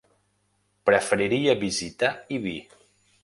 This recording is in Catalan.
Preferiria visitar Ibi.